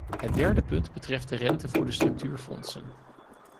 Het derde punt betreft de rente voor de structuurfondsen.